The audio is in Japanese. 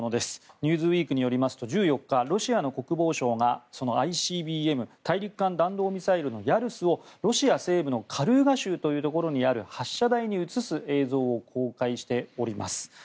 「ニューズウィーク」によりますとロシアの国防省が、ＩＣＢＭ・大陸間弾道ミサイルのヤルスをロシア西部のカルーガ州というところにある発射台に移す映像を公開しております。